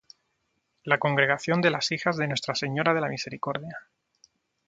La congregación de las Hijas de Nuestra Señora de la Misericordia.